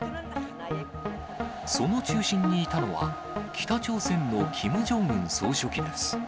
その中心にいたのは、北朝鮮のキム・ジョンウン総書記です。